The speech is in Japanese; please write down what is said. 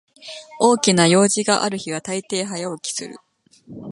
大きな用事がある日はたいてい早起きする